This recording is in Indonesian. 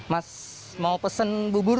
mas mau pesen bubur